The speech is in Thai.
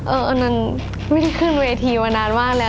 อันนั้นไม่ได้ขึ้นเวทีมานานมากแล้ว